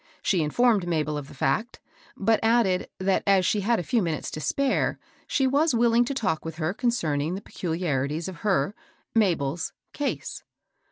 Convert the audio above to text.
She informed Mabel of the fact ; but added, that as she had a few minutes to spare, she was willing to talk with her concerning the peculiarities of her — Mabel's " case."